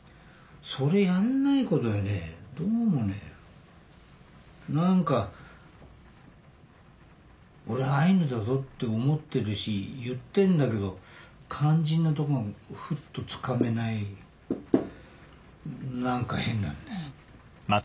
それやんないことにはどうもね何か俺アイヌだぞって思ってるし言ってんだけど肝心なとこがふっとつかめない何か変なんだ。